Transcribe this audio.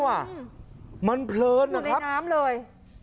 ถึงในน้ำเลย